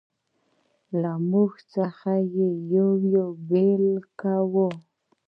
له موږ څخه یې یو یو بېل کاوه.